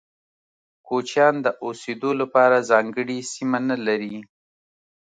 کوچيان د اوسيدو لپاره ځانګړي سیمه نلري.